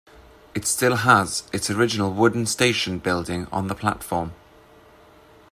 It still has its original wooden station building on the platform.